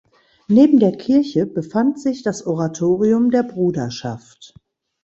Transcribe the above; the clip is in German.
Neben der Kirche befand sich das Oratorium der Bruderschaft.